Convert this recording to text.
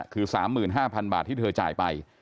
คือ๓๕๐๐๐บาทที่เธอจ่ายไป